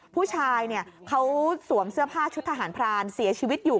ผู้ชายเขาสวมเสื้อผ้าชุดทหารพรานเสียชีวิตอยู่